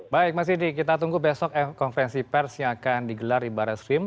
baik mas sidiq kita tunggu besok konferensi pers yang akan digelar di barat stream